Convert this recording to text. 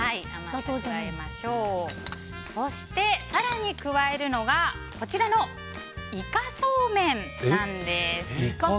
そして、更に加えるのがこちらのイカそうめんなんです。